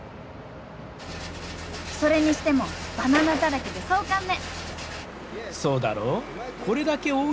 それにしてもバナナだらけで壮観ね！